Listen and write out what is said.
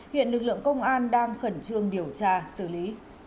hiện lực lượng công an đang khẩn trương điều tra xử lý